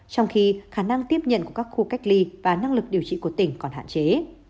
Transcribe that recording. trong khi khả năng tiếp nhận của các khu cách ly và năng lực điều trị của tỉnh còn hạn chế